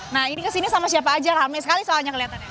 nah ini kesini sama siapa saja ramai sekali soalnya kebetulan